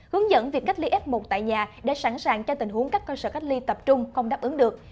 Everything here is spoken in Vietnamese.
hướng dẫn việc cách ly f một tại nhà để sẵn sàng cho tình huống các cơ sở cách ly tập trung không đáp ứng được